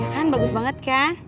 ya kan bagus banget kan